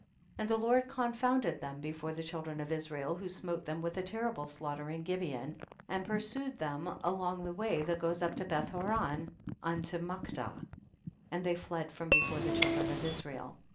60. And the Lord confounded them before the children of Israel, who smote them with a terrible slaughter in Gibeon, and pursued them along the way that goes up to Beth Horoa unto Makkedah, and they fled from before the children of Israel.